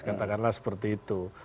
katakanlah seperti itu